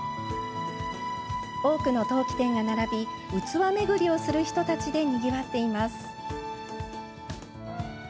多くの陶器店が並び器巡りをする人でにぎわっています。